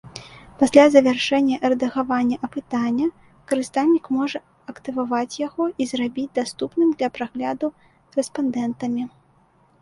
Пасля завяршэння рэдагавання апытання, карыстальнік можа актываваць яго і зрабіць даступным для прагляду рэспандэнтамі.